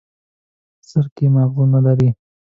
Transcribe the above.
سر کې ماغزه نه لري.